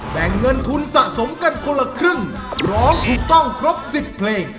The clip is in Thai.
แบ่งเงินทุนสะสมกันคนละครึ่งร้องถูกต้องครบ๑๐เพลง